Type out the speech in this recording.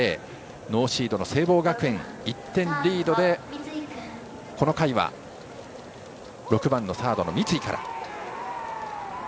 ノーシードの聖望学園が１点リードでこの回は６番、サード三井から。